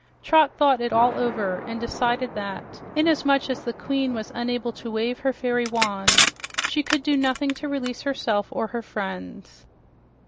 Trot thought it all over, and she decided that inasmuch as the queen was unable to wave her fairy wand, she could do nothing to release herself or her friends.